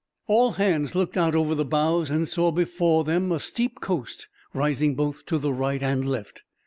All hands looked out over the bows and saw, before them, a steep coast rising both to the right and left.